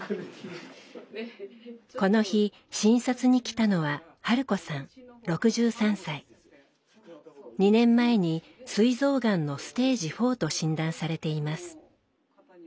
この日診察に来たのは２年前にすい臓がんのステージ４と診断されています。